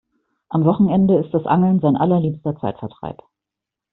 Am Wochenende ist das Angeln sein allerliebster Zeitvertreib.